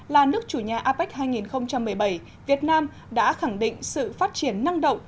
là nước chủ nhà apec hai nghìn một mươi bảy việt nam đã khẳng định sự phát triển năng động